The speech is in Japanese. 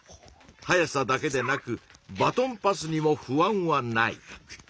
速さだけでなくバトンパスにも不安はない。